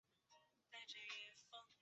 曾任上海豫园书画会会长。